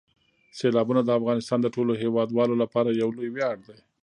سیلابونه د افغانستان د ټولو هیوادوالو لپاره یو لوی ویاړ دی.